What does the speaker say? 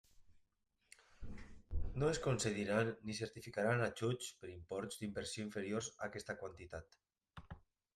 No es concediran ni certificaran ajuts per imports d'inversió inferiors a aquesta quantitat.